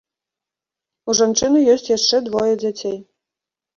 У жанчыны ёсць яшчэ двое дзяцей.